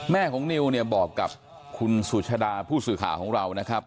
ของนิวเนี่ยบอกกับคุณสุชาดาผู้สื่อข่าวของเรานะครับ